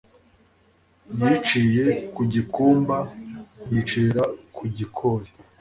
Yiciye ku gikumba, yicira ku gikoli.